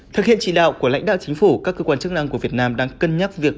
thực hiện chỉ đạo của lãnh đạo chính phủ các cơ quan chức năng của việt nam đang cân nhắc việc